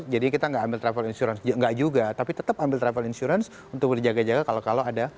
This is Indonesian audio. jadi kita nggak ambil travel insurance nggak juga tapi tetap ambil travel insurance untuk dijaga jaga kalau kalau ada